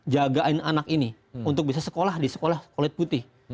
jagain anak ini untuk bisa sekolah di sekolah kulit putih